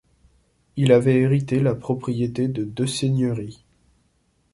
Il avait hérité la propriété de deux seigneuries.